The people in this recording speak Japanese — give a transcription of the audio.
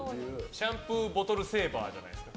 シャンプーボトルセーバーじゃないですか。